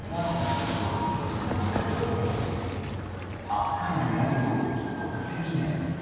明日から値上げの即席麺。